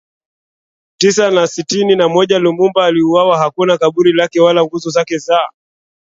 Tisa na sitini na moja Lumumba aliuwawa Hakuna kaburi lake wala nguzo zake za